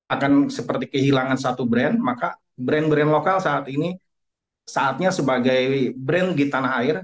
akan seperti kehilangan satu brand maka brand brand lokal saat ini saatnya sebagai brand di tanah air